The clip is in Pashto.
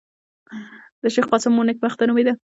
د شېخ قاسم مور نېکبخته نومېده.